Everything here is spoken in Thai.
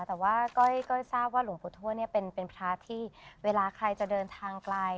แต่ว่าก้อยทราบว่าหลวงปู่ทวดเนี่ยเป็นพระที่เวลาใครจะเดินทางไกล